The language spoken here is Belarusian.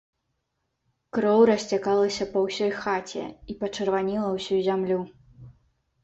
Кроў расцякалася па ўсёй хаце і пачырваніла ўсю зямлю.